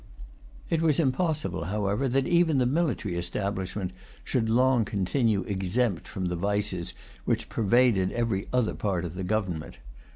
It was impossible, however, that even the military establishment should long continue exempt from the vices which pervaded every other part of the government.